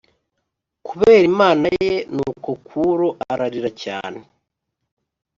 Kubera imana ye Nuko Kuro ararira cyane